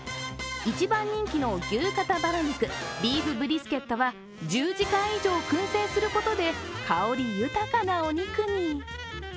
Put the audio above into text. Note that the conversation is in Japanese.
一番人気の牛肩バラ肉ビーフブリスケットは１０時間以上、くん製することで香り豊かなお肉に。